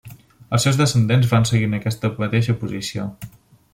Els seus descendents van seguir en aquesta mateixa posició.